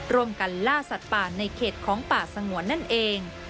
ร่วมกันล่าสัตว์ป่าในเขตของป่าสงวนนั่นเอง